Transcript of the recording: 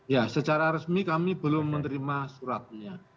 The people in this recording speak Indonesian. ya secara resmi kami belum menerima suratnya